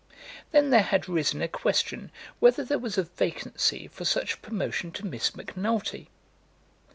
Then there had risen a question whether there was a vacancy for such promotion to Miss Macnulty.